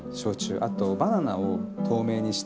あとバナナを透明にして。